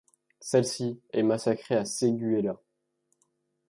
Celle-ci est massacrée à Séguéla.